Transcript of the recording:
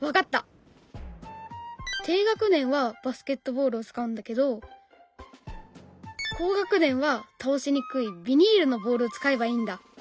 低学年はバスケットボールを使うんだけど高学年は倒しにくいビニールのボールを使えばいいんだ。